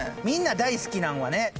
みんな大好きなんはね。